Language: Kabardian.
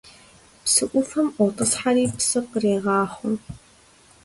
Псы Ӏуфэм ӏуотӏысхьэри псы кърегъахъуэ.